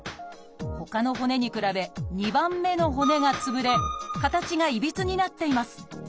ほかの骨に比べ２番目の骨がつぶれ形がいびつになっています。